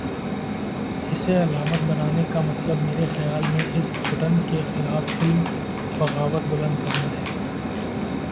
اسے علامت بنانے کا مطلب، میرے خیال میں اس گھٹن کے خلاف علم بغاوت بلند کرنا ہے۔